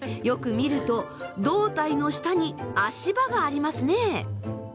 よく見ると胴体の下に足場がありますね。